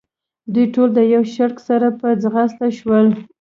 دوی ټول د یوه شړک سره په ځغاسته شول.